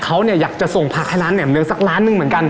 เขาเนี่ยอยากจะส่งผักให้ร้านแหม่มเหลืองสักล้านหนึ่งเหมือนกัน